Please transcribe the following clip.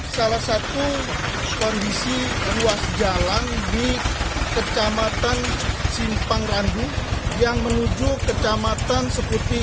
salah satu kondisi luas jalan di kecamatan simpangrandu yang menuju kecamatan seputi